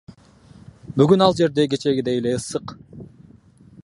Бүгүн ал жерде кечээкидей эле ысык.